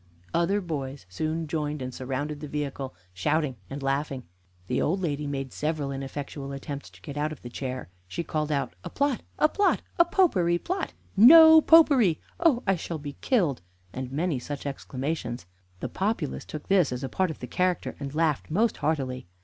Other boys soon joined, and surrounded the vehicle, shouting and laughing. The old lady, made several ineffectual attempts to get out of the chair. She called out, "A plot! a plot! a Popery plot! No Popery! Oh! I shall be killed!" and many such exclamations. The populace took this as a part of the character, and laughed most heartily.